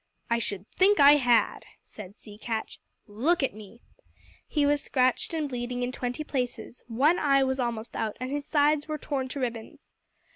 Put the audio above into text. "I should think I had," said Sea Catch. "Look at me!" He was scratched and bleeding in twenty places; one eye was almost out, and his sides were torn to ribbons.